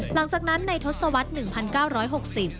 หลังจากนั้นในทศวรรษ๑๙๖๐